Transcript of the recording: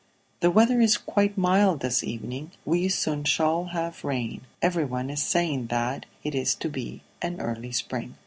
"The weather is quite mild this evening; we soon shall have rain. Everyone is saying that it is to be an early spring."